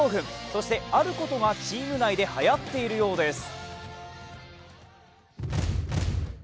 そして、あることがチーム内ではやっているようです。